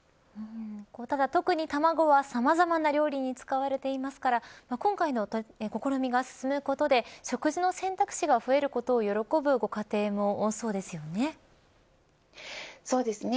ただ特に卵はさまざまな料理に使われていますから今回の試みが進むことで食事の選択肢が増えることを喜ぶご家庭も多そうですよね。